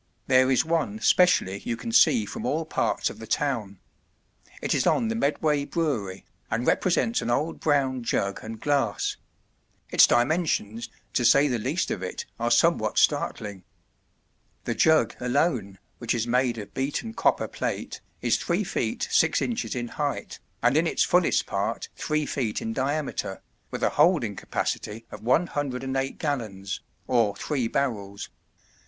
There is one specially you can see from all parts of the town. It is on the Medway Brewery, and represents an old brown jug and glass; its dimensions, to say the least of it, are somewhat startling. The jug alone (which is made of beaten copper plate) is 3 ft. 6 in. in height, and in its fullest part 3 ft. in diameter, with a holding capacity of 108 gallons, or three barrels.